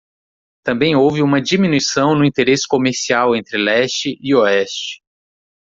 Também houve uma diminuição no interesse comercial entre leste e oeste.